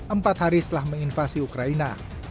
empat hari setelah menginvasi ukraina